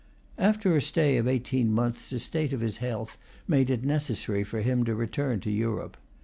After a stay of eighteen months, the state of his health made it necessary for him to return to Europe.